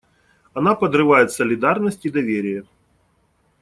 Она подрывает солидарность и доверие.